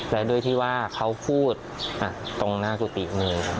และด้วยที่ว่าเขาพูดตรงหน้ากุฏิหนึ่ง